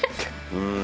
うん。